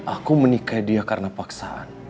aku menikah dia karena paksaan